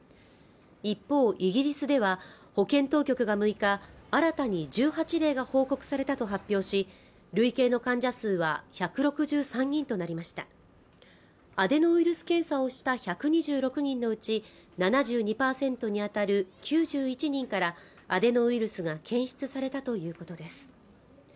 一方イギリスでは保健当局が６日新たに１８例が報告されたと発表し累計の患者数は１６３人となりましたアデノウイルス検査をした１２６人のうち７２％にあたる９１人からアデノウイルスが検出されたということです